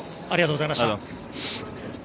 ありがとうございます。